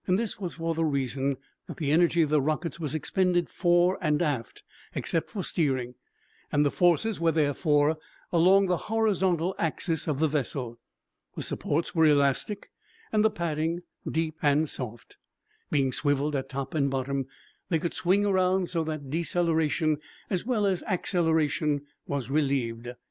This was for the reason that the energy of the rockets was expended fore and aft, except for steering, and the forces were therefore along the horizontal axis of the vessel. The supports were elastic and the padding deep and soft. Being swiveled at top and bottom, they could swing around so that deceleration as well as acceleration was relieved.